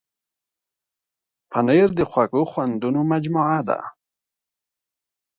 پنېر د خوږو خوندونو مجموعه ده.